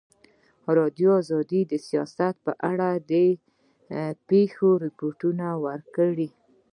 ازادي راډیو د سیاست په اړه د پېښو رپوټونه ورکړي.